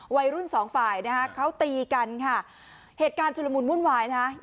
วัยรุ่นสองฝ่ายนะคะเขาตีกันค่ะเหตุการณ์ชุลมุนวุ่นวายนะฮะ